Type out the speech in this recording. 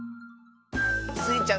スイちゃん